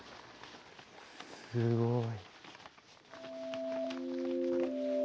すごい。